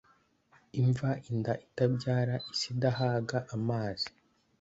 imva, inda itabyara, isi idahaga amazi